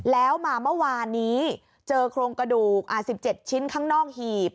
แล้วมาเมื่อวานนี้เจอโครงกระดูก๑๗ชิ้นข้างนอกหีบ